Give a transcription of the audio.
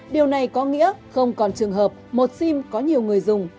điều này có nghĩa không còn trường hợp một sim có nhiều người dùng